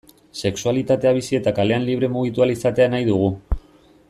Sexualitatea bizi eta kalean libre mugitu ahal izatea nahi dugu.